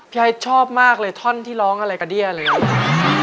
ไอ้ชอบมากเลยท่อนที่ร้องอะไรกระเดี้ยอะไรอย่างนี้